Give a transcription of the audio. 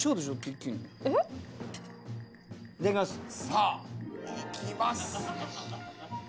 さあいきます。